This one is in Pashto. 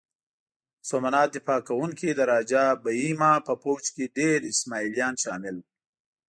د سومنات دفاع کوونکي د راجه بهیما په پوځ کې ډېر اسماعیلیان شامل وو.